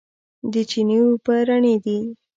د چينې اوبه رڼې دي.